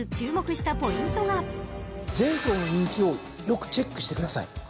前走の人気をよくチェックしてください。